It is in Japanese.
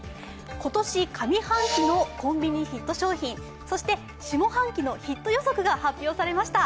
今年上半期のコンビニヒット商品そして下半期のヒット予測が発表されました。